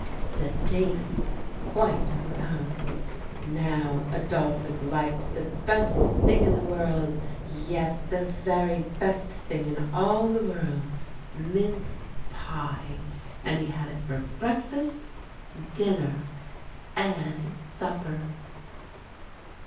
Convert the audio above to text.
said Davie quite overcome. "Now, Adolphus liked the best thing in the world, yes, the very best thing in all the world, mince pie. And he had it for breakfast, dinner, and supper."